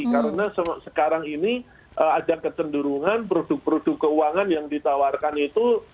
karena sekarang ini ada ketendurungan produk produk keuangan yang ditawarkan itu